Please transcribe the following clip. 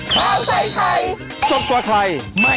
โปรดติดตามตอนต่อไป